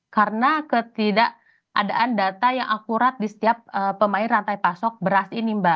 karena ketidakadaan data yang akurat di setiap pemain rantai pasok beras ini mba